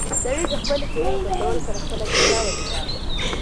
سړي د خپلې څېرې په بدلولو سره خپله جزا ولیده.